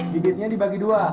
bibitnya dibagi dua